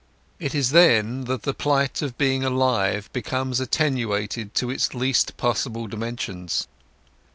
It is then that the plight of being alive becomes attenuated to its least possible dimensions.